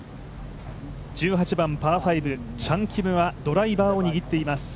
１８番パー５、チャン・キムはドライバーを握っています。